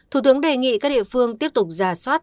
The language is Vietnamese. thủ tướng đề nghị các địa phương tiếp tục giả soát